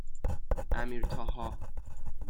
امیرطاها